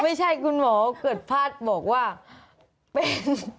ไม่ใช่คุณหมอเกิดพัฒน์บอกว่าเป็น